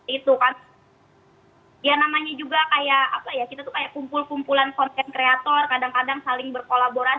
itu kan ya namanya juga kayak apa ya kita tuh kayak kumpul kumpulan konten kreator kadang kadang saling berkolaborasi